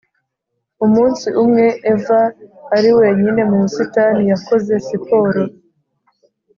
Umunsi umwe eva ari wenyine mu busitani yakoze siporo